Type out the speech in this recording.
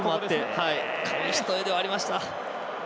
紙一重ではありました。